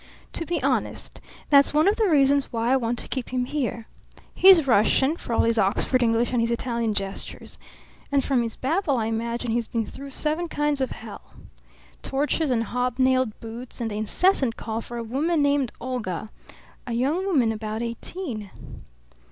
"To be honest, that's one of the reasons why I want to keep him here. He's Russian, for all his Oxford English and his Italian gestures; and from his babble I imagine he's been through seven kinds of hell. Torches and hobnailed boots and the incessant call for a woman named Olga a young woman about eighteen."